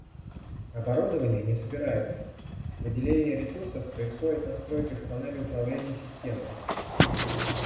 Оборудование не собирается, выделение ресурсов происходит настройкой в панели управления системой